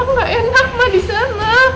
enggak enak ma di sana